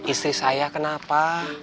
istri saya kenapa